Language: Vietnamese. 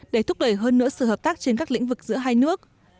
để thúc đẩy hơn nữa sự hợp tác trên các lĩnh vực giữa hai nước